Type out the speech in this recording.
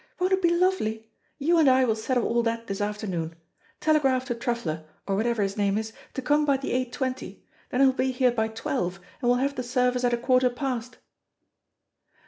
Won't it be lovely? You and I will settle all that this afternoon. Telegraph to Truffler, or whatever his name is, to come by the eight twenty. Then he'll be here by twelve, and we'll have the service at a quarter past."